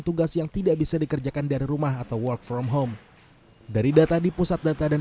tugas yang tidak bisa dikerjakan dari rumah atau work from home dari data di pusat data dan